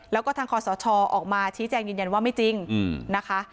แล้วก็ทางคอสชออกมาชี้แจงยืนยันว่าไม่จริงนะคะ